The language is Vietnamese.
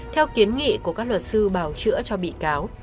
theo kiến nghị của các luật sư bào chữa cho bị cáo